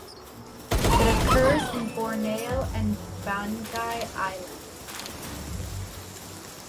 It occurs in Borneo and Banggai Island.